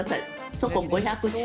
そこ５００ｃｃ。